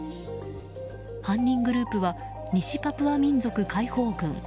犯人グループは西パプア民族解放軍。